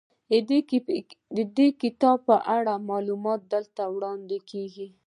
د کتاب په اړه معلومات دلته وړاندې کیږي.